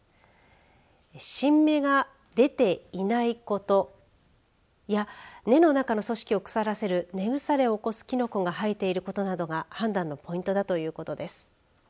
新芽が出ていないことや根の中の組織を腐らせる根腐れを起こすきのこが生えていることなどが判断のポイントだということです。